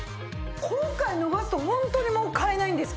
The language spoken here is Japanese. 今回逃すとホントにもう買えないんですか？